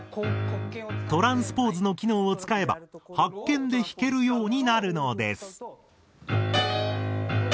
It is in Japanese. トランスポーズの機能を使えば白鍵で弾けるようになるのです。